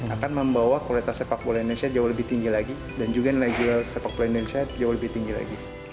akan membawa kualitas sepak bola indonesia jauh lebih tinggi lagi dan juga nilai jual sepak bola indonesia jauh lebih tinggi lagi